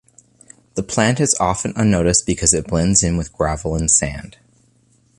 The plant is often unnoticed because it blends in with gravel and sand.